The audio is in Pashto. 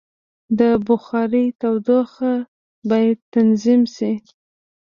د بخارۍ تودوخه باید تنظیم شي.